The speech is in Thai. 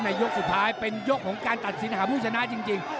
ยกสุดท้ายเป็นยกของการตัดสินหาผู้ชนะจริง